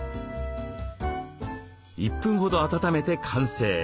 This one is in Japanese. １分ほど温めて完成。